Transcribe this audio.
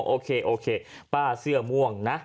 โอเคโอเคป้าเสื้อม่วงนะ